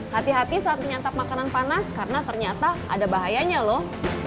hati hati saat menyantap makanan panas karena ternyata ada bahayanya loh